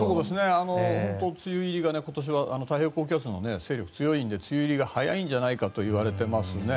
本当に梅雨入りが今年は太平洋高気圧の勢力が強いので梅雨入りが早いんじゃないかといわれていますね。